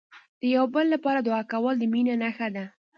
د یو بل لپاره دعا کول، د مینې نښه ده.